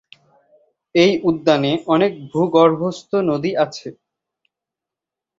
এই উদ্যানে অনেক ভূগর্ভস্থ নদী আছে।